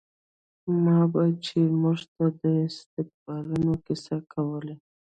ما به چې مور ته د سبقانو کيسې کولې.